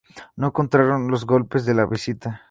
No contaron los goles de visita.